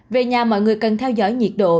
về nhà mọi người cần theo dõi nhiệt độ